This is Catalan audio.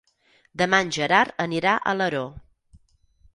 Demà en Gerard anirà a Alaró.